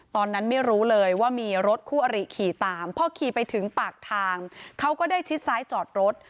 ตอนนั้นไม่รู้เลยว่ามีรถคู่อริขี่ตามพอขี่ไปถึงปากทางเขาก็ได้ชิดซ้ายจอดรถ